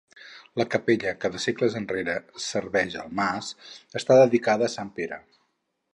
La capella que de segles enrere serveix el mas, està dedicada a Sant Pere.